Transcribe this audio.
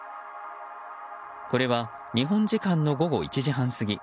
これは日本時間の午後１時半過ぎ